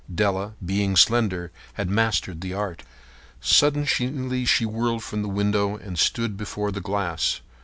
Della, being slender, had mastered the art. Suddenly she whirled from the window and stood before the glass.